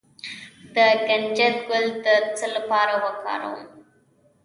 د کنجد ګل د څه لپاره وکاروم؟